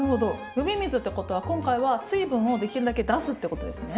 呼び水ってことは今回は水分をできるだけ出すってことですね。